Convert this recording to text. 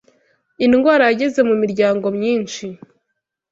Indwara yageze mu miryango myinshi